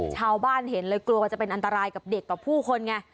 ชาวบ้านเห็นเลยกลัวจะเป็นอันตรายกับเด็กกับผู้คนไง